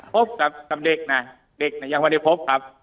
พบกับเด็กนะเด็กน่ะยังไม่ได้พบครับ